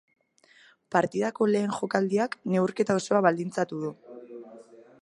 Partidako lehen jokaldiak neurketa osoa baldintzatu du.